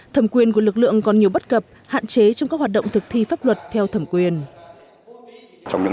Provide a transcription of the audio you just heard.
thẩm quyền của lực lượng còn nhiều bất cập hạn chế trong các hoạt động thực thi pháp luật theo thẩm quyền